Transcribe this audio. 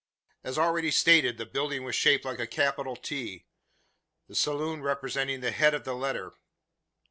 As already stated, the building was shaped like a capital T; the saloon representing the head of the letter.